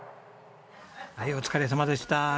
はいお疲れさまでした。